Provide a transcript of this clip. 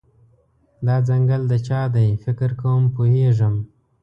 دا ځنګل د چا دی، فکر کوم پوهیږم